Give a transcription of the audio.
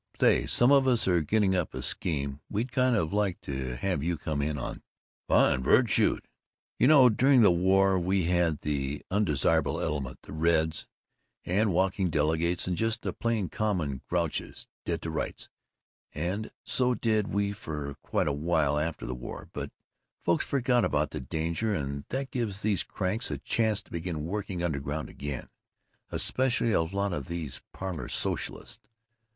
Say, some of us are getting up a scheme we'd kind of like to have you come in on." "Fine, Verg. Shoot." "You know during the war we had the Undesirable Element, the Reds and walking delegates and just the plain common grouches, dead to rights, and so did we for quite a while after the war, but folks forget about the danger and that gives these cranks a chance to begin working underground again, especially a lot of these parlor socialists.